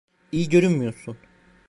İyi görünmüyorsun.